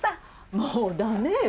もう駄目よ